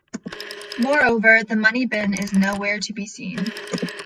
Moreover, the Money Bin is nowhere to be seen.